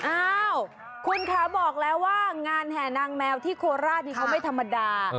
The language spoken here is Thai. อ้าวคุณคะบอกแล้วว่างานแห่นางแมวที่โคราชนี่เขาไม่ธรรมดา